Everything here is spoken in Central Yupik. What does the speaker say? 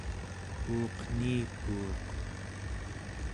uuqniikuuq